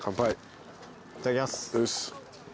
いただきます。